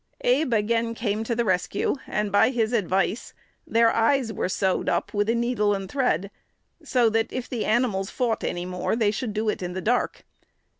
Abe again came to the rescue; and, by his advice, their eyes were sewed up with a needle and thread, so that, if the animals fought any more, they should do it in the dark.